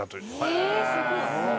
えぇすごい。